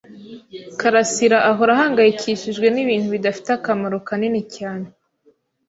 karasira ahora ahangayikishijwe nibintu bidafite akamaro kanini cyane.